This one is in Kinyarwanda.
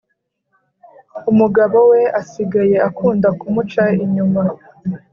umugabo we asigaye akunda kumuca inyuma